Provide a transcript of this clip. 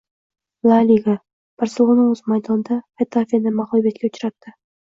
La Liga. “Barselona” o‘z maydonida “Xetafe”ni mag‘lubiyatga uchratdi